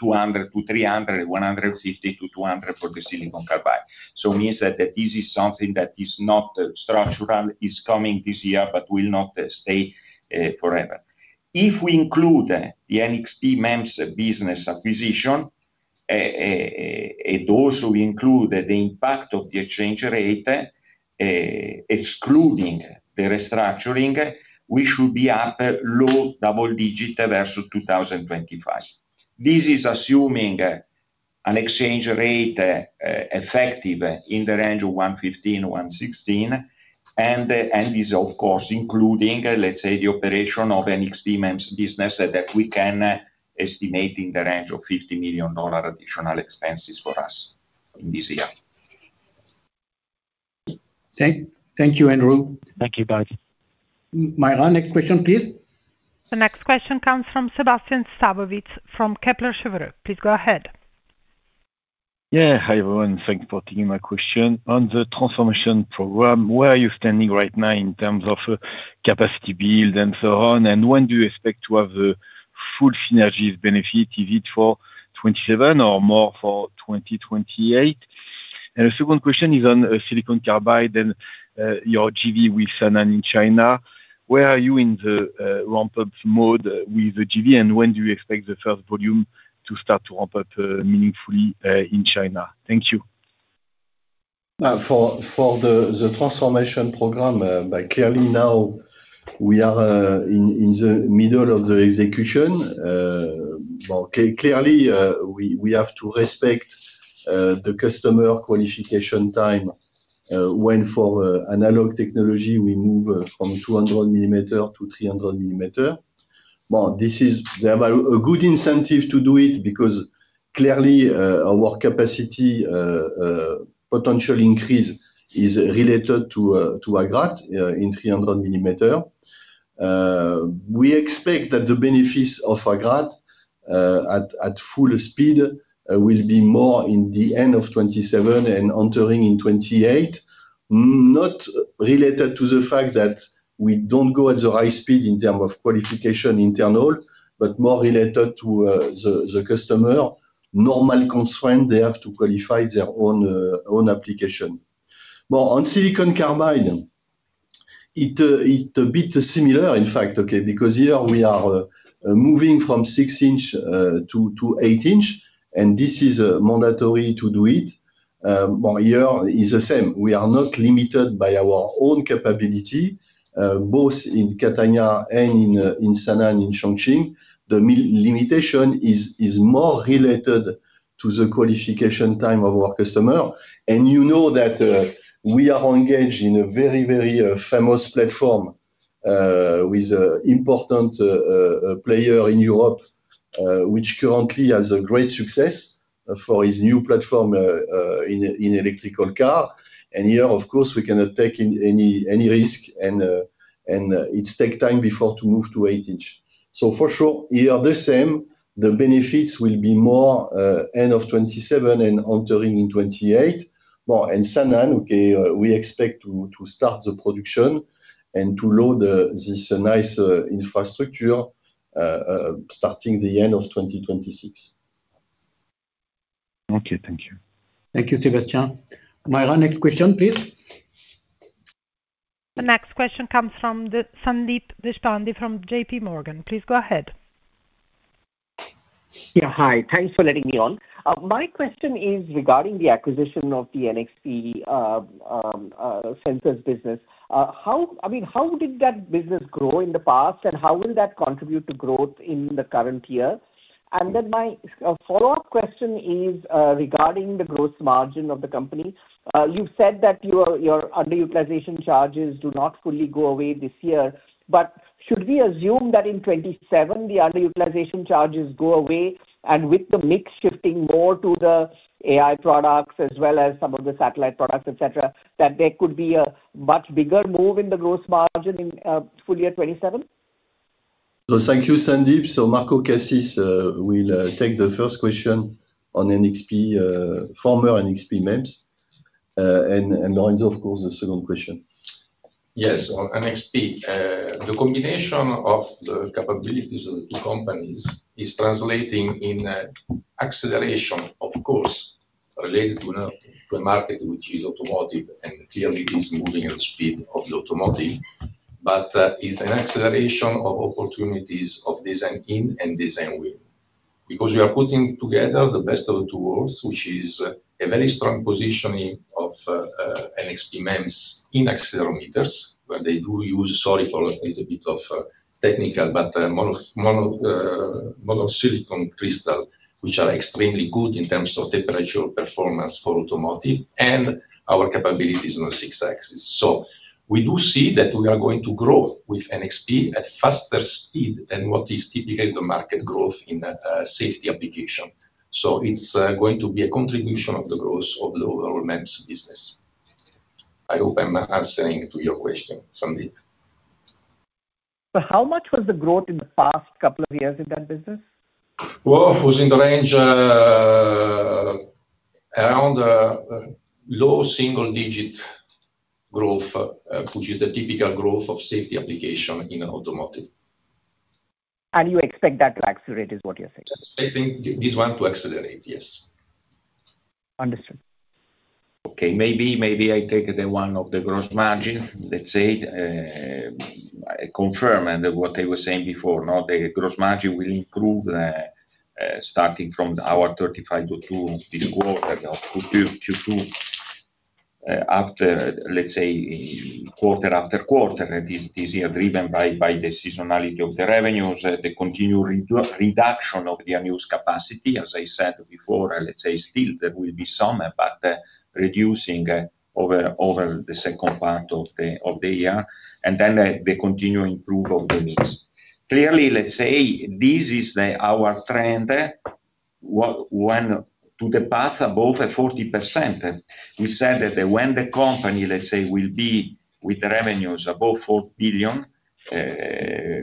200 mm to 300 mm, 150 mm to 200 mm for the silicon carbide. Means that this is something that is not structural, is coming this year but will not stay forever. If we include the NXP MEMS business acquisition, it also include the impact of the exchange rate, excluding the restructuring, we should be up low double-digit versus 2025. This is assuming an exchange rate effective in the range of 115-116 and is of course including, let's say, the operation of NXP MEMS business that we can estimate in the range of $50 million additional expenses for us in this year. Thank you, Andrew. Thank you guys. Myra, next question please. The next question comes from Sébastien Sztabowicz from Kepler Cheuvreux. Please go ahead. Yeah. Hi everyone. Thanks for taking my question. On the transformation program, where are you standing right now in terms of capacity build and so on? And when do you expect to have the full synergies benefit, is it for 2027 or more for 2028? And the second question is on silicon carbide and your JV with Sanan in China. Where are you in the ramp-up mode with the JV and when do you expect the first volume to start to ramp up meaningfully in China? Thank you. For the transformation program, clearly now we are in the middle of the execution. Clearly, we have to respect the customer qualification time, when for analog technology we move from 200 millimeter to 300 millimeter. Well, there is a good incentive to do it because clearly our capacity potential increase is related to Agrate in 300 millimeter. We expect that the benefits of Agrate at full speed will be more in the end of 2027 and entering in 2028. Not related to the fact that we don't go at the high speed in terms of internal qualification, but more related to the customer normal constraint they have to qualify their own application. On silicon carbide, it's a bit similar in fact, okay, because here we are moving from 6-inch to 8-inch, and this is mandatory to do it. Well, here is the same. We are not limited by our own capability, both in Catania and in Sanan in Chongqing. The limitation is more related to the qualification time of our customer. You know that we are engaged in a very famous platform, with important player in Europe, which currently has a great success for his new platform in electric car. Here of course we cannot take any risk and it take time before to move to 8-inch. For sure, here the same, the benefits will be more end of 2027 and entering in 2028. Well, in Sanan, okay, we expect to start the production and to load this nice infrastructure starting the end of 2026. Okay. Thank you. Thank you, Sébastien. Myra, next question please. The next question comes from Sandeep Deshpande from JPMorgan. Please go ahead. Yeah. Hi. Thanks for letting me on. My question is regarding the acquisition of the NXP sensors business. How did that business grow in the past and how will that contribute to growth in the current year? My follow-up question is regarding the gross margin of the company. You said that your underutilization charges do not fully go away this year, but should we assume that in 2027, the underutilization charges go away and with the mix shifting more to the AI products as well as some of the satellite products, et cetera, that there could be a much bigger move in the gross margin in full year 2027? Thank you, Sandeep. Marco Cassis will take the first question on NXP, former NXP MEMS, and Lorenzo Grandi, of course, the second question. Yes. On NXP, the combination of the capabilities of the two companies is translating in acceleration, of course, related to a market which is automotive, and clearly it is moving at speed of the automotive, but it's an acceleration of opportunities of design-in and design-win. Because we are putting together the best of the tools, which is a very strong positioning of NXP MEMS in accelerometers, where they do use, sorry for a little bit of technical, but monocrystalline silicon, which are extremely good in terms of temperature performance for automotive and our capabilities on six-axis. We do see that we are going to grow with NXP at faster speed than what is typically the market growth in a safety application. It's going to be a contribution of the growth of the overall MEMS business. I hope I'm answering to your question, Sandeep. How much was the growth in the past couple of years in that business? Well, it was in the range around low single-digit growth, which is the typical growth of safety application in automotive. You expect that to accelerate is what you're saying? Expecting this one to accelerate, yes. Understood. Maybe I take the one of the gross margin. Let's say, I confirm what I was saying before. Now the gross margin will improve, starting from our 35.2% this quarter of Q2. After, let's say, quarter after quarter, and this year driven by the seasonality of the revenues, the continued reduction of the Amkor's capacity, as I said before. Let's say still there will be some, but reducing over the second part of the year, and then the continued improve of the mix. Clearly, let's say this is our trend, leading to the path above 40%. We said that when the company, let's say, will be with revenues above 4 billion,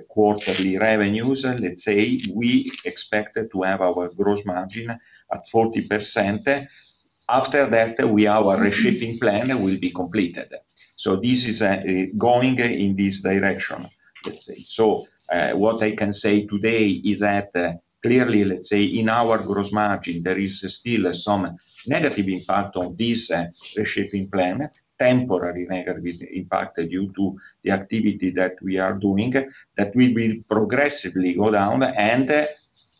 quarterly revenues. Let's say, we expect to have our gross margin at 40%. After that, our reshoring plan will be completed. This is going in this direction, let's say. What I can say today is that clearly, let's say, in our gross margin, there is still some negative impact on this reshoring plan, temporary negative impact due to the activity that we are doing, that will progressively go down and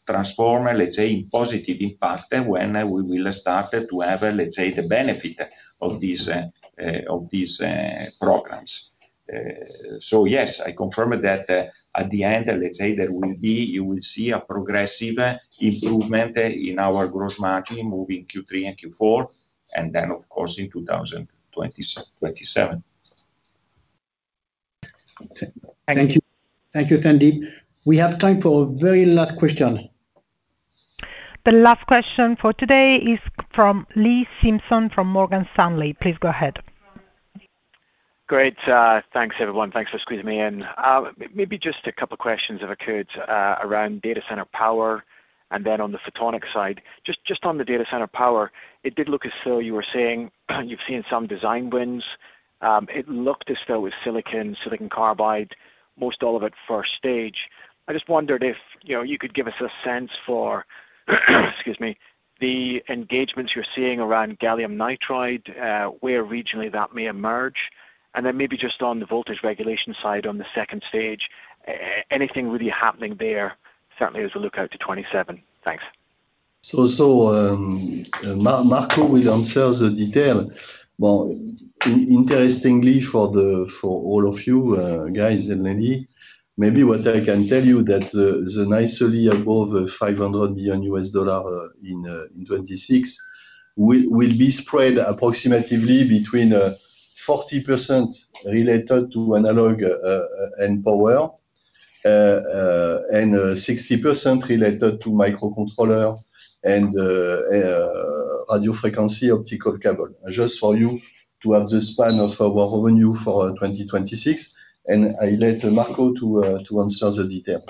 transform, let's say, in positive impact when we will start to have, let's say, the benefit of these programs. Yes, I confirm that at the end, let's say, you will see a progressive improvement in our gross margin moving Q3 and Q4, and then of course in 2027. Thank you. Thank you, Sandeep. We have time for a very last question. The last question for today is from Lee Simpson from Morgan Stanley. Please go ahead. Great. Thanks everyone. Thanks for squeezing me in. Maybe just a couple questions, if I could, around data center power and then on the photonic side. Just on the data center power, it did look as though you were saying you've seen some design wins. It looked as though with silicon carbide, most all of it first stage. I just wondered if you could give us a sense for, excuse me, the engagements you're seeing around gallium nitride, where regionally that may emerge, and then maybe just on the voltage regulation side on the second stage, anything really happening there, certainly as we look out to 2027. Thanks. Marco will answer the detail. Well, interestingly for all of you guys and lady, maybe what I can tell you that the nicely above $500 million in 2026 will be spread approximately between 40% related to analog and power, and 60% related to microcontroller and radio frequency and optical communications. Just for you to have the span of our revenue for 2026. I let Marco to answer the detail.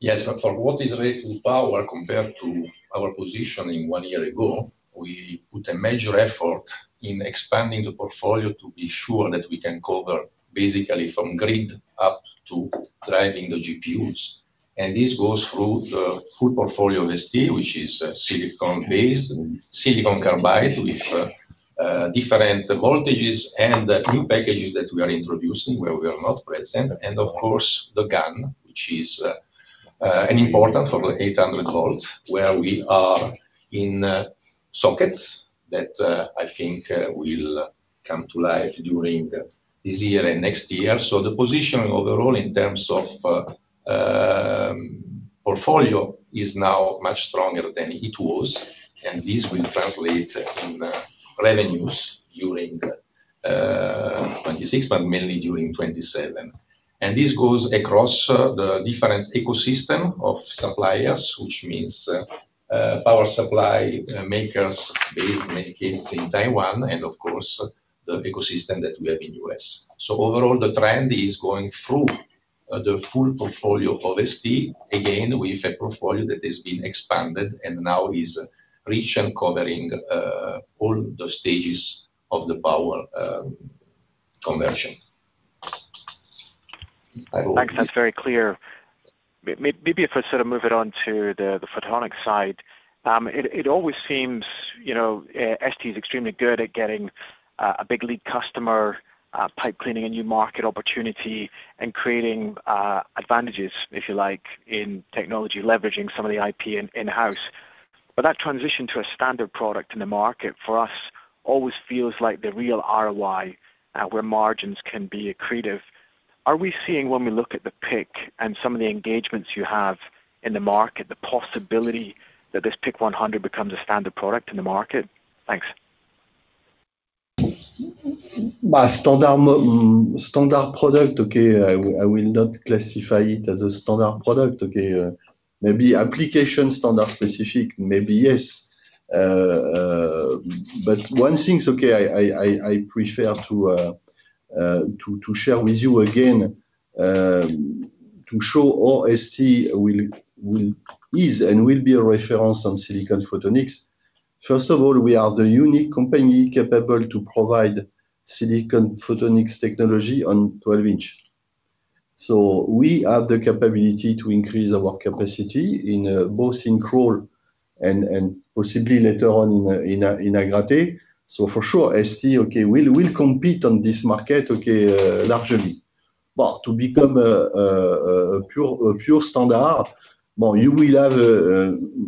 Yes. For what is related to power compared to our positioning one year ago, we put a major effort in expanding the portfolio to be sure that we can cover basically from grid up to driving the GPUs. This goes through the full portfolio of ST, which is silicon-based, silicon carbide with different voltages and new packages that we are introducing where we are not present, and of course, the GaN, which is important for the 800 volts, where we are in sockets that I think will come to life during this year and next year. The positioning overall in terms of portfolio is now much stronger than it was, and this will translate in revenues during 2026, but mainly during 2027. This goes across the different ecosystem of suppliers, which means power supply makers based in many cases in Taiwan, and of course- The ecosystem that we have in the U.S. Overall, the trend is going through the full portfolio of ST. Again, we have a portfolio that has been expanded and now is rich and covering all the stages of the power conversion. Thanks. That's very clear. Maybe if I sort of move it on to the photonics side. It always seems ST is extremely good at getting a big lead customer, pioneering a new market opportunity, and creating advantages, if you like, in technology, leveraging some of the IP in-house. But that transition to a standard product in the market for us always feels like the real ROI, where margins can be accretive. Are we seeing when we look at the PIC and some of the engagements you have in the market, the possibility that this PIC100 becomes a standard product in the market? Thanks. Standard product, I will not classify it as a standard product. Maybe application standard specific, maybe yes. But one thing, I prefer to share with you again, to show how ST is and will be a reference on silicon photonics. First of all, we are the unique company capable to provide silicon photonics technology on 12-inch. So we have the capability to increase our capacity both in Crolles and possibly later on in Agrate. So for sure, ST will compete on this market largely. But to become a pure standard, you will have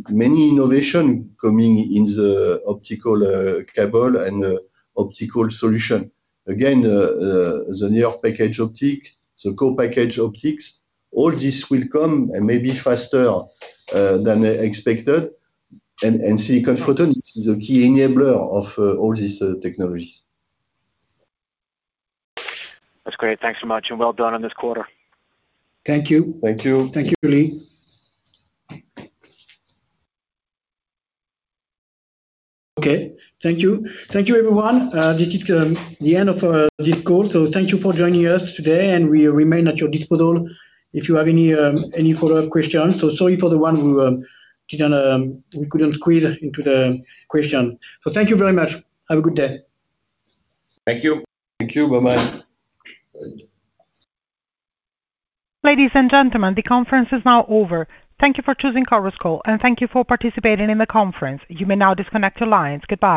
many innovation coming in the optical cable and optical solution. Again, the near-package optics, the co-packaged optics, all this will come and maybe faster than expected. Silicon photonics is the key enabler of all these technologies. That's great. Thanks so much, and well done on this quarter. Thank you. Thank you. Thank you, Lee. Okay. Thank you. Thank you, everyone. This is the end of this call. Thank you for joining us today, and we remain at your disposal if you have any follow-up questions. Sorry for the one we couldn't squeeze into the question. Thank you very much. Have a good day. Thank you. Thank you. Bye-bye. Ladies and gentlemen, the conference is now over. Thank you for choosing Chorus Call, and thank you for participating in the conference. You may now disconnect your lines. Goodbye.